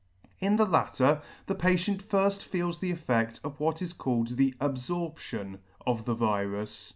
In the latter, the patient iirft feels the effect of what is called the abforption of the virus.